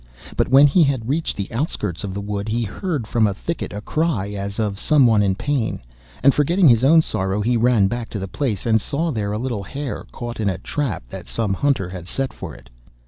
But when he had reached the outskirts of the wood, he heard from a thicket a cry as of some one in pain. And forgetting his own sorrow he ran back to the place, and saw there a little Hare caught in a trap that some hunter had set for it.